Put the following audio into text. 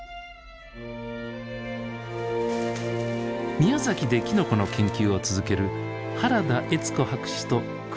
宮崎できのこの研究を続ける原田栄津子博士と黒木秀一さん。